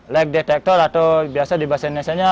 life detector atau biasa di bahasa indonesia nya